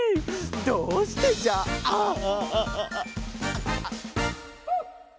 どうしてじゃああああ。